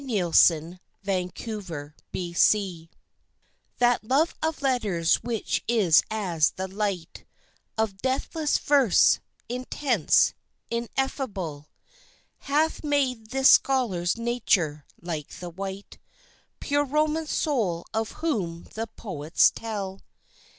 William Bede Dalley That love of letters which is as the light Of deathless verse, intense, ineffable, Hath made this scholar's nature like the white, Pure Roman soul of whom the poets tell.